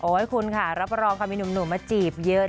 คุณค่ะรับรองค่ะมีหนุ่มมาจีบเยอะ